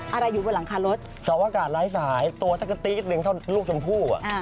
อะไรอยู่บนหลังคารถสวกาศไร้สายตัวสักกะตี๊ดเรียงเท่าลูกชมพู่อ่ะ